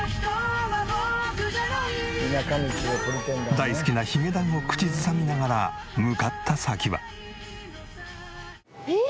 大好きなヒゲダンを口ずさみながら向かった先は。